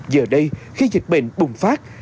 giờ đây khi dịch bệnh bùng phát